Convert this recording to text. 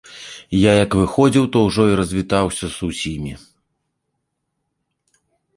Я як выходзіў, то ўжо і развітаўся з усімі.